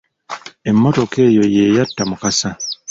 Emmotoka eyo ye yatta Mukasa!